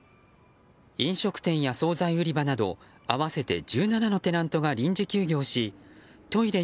飲食店や総菜売り場など合わせて１７のテナントが臨時休業しトイレ